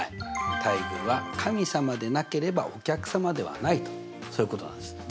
対偶は「神様でなければお客様ではない」とそういうことなんです。